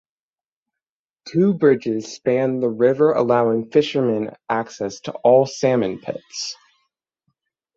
Two bridges span the river allowing fishermen access to all salmon pits.